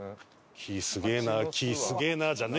木すげえな木すげえなじゃねえよ！